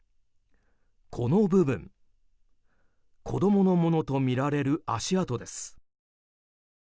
この部分子供のものとみられる足跡です。